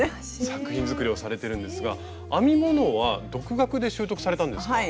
作品作りをされてるんですが編み物は独学で習得されたんですか？